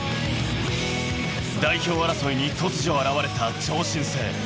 代表争いに突如現れた超新星。